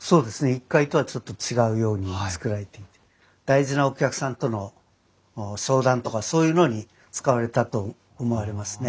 １階とはちょっと違うように造られていて大事なお客さんとの商談とかそういうのに使われたと思われますね。